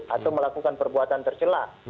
atau melakukan perbuatan tercelah